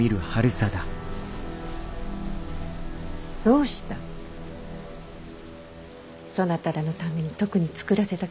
どうしたそなたらのために特に作らせた菓子じゃ。